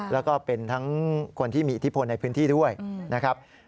แล้วก็เป็นทั้งคนที่มีอิทธิพลในพื้นที่ด้วยนะครับ